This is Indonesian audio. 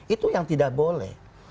itu yang tidak boleh